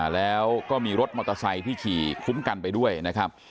แล้วก็มีรถมอเตอร์ไซค์ที่ขี่คุ้มกันไปด้วยนะครับ